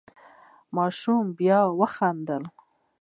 ماشوم بیا وخندل.